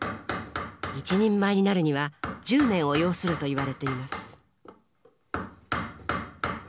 一人前になるには１０年を要するといわれています。